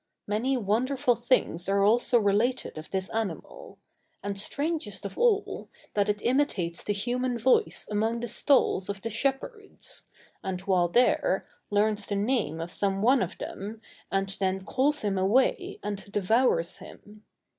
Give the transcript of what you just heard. Many wonderful things are also related of this animal; and strangest of all, that it imitates the human voice among the stalls of the shepherds; and while there, learns the name of some one of them, and then calls him away, and devours him.